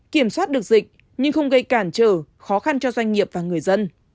kiểm soát được dịch nhưng không gây cản trở khó khăn cho doanh nghiệp và người dân